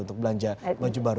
untuk belanja baju baru